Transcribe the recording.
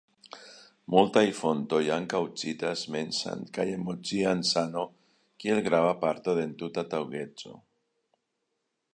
Multaj fontoj ankaŭ citas mensan kaj emocian sano kiel grava parto de entuta taŭgeco.